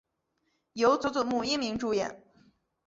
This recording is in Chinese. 由佐佐木英明主演。